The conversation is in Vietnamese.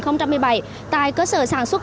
năm hai nghìn một mươi bảy tại cơ sở sản xuất